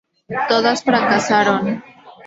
Todas fracasaron.